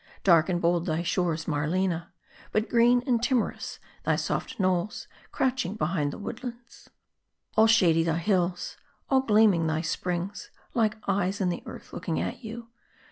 Dark and bold, thy shores, Marleua ; But green, and timorous, thy soft knolls, Crouching behind the woodlands. All shady thy hills ; all gleaming thy springs, Like eyes in the earth looking at you.